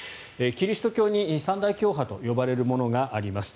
キリスト教に三大教派と呼ばれるものがあります。